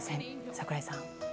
櫻井さん。